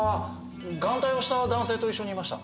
眼帯をした男性と一緒にいました。